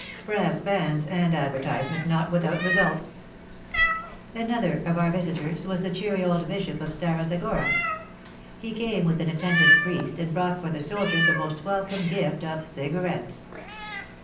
Brass bands and advertisement not without results ! Another of our visitors was the cheery old Bishop of Stara Zagora. He came with an attendant priest and brought for the soldiers a most welcome gift of cigarettes.